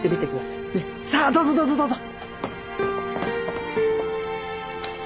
さあどうぞどうぞどうぞ！